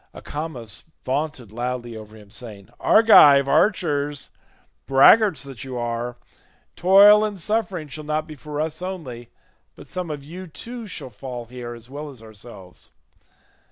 Acamas vaunted loudly over him saying, "Argive archers, braggarts that you are, toil and suffering shall not be for us only, but some of you too shall fall here as well as ourselves.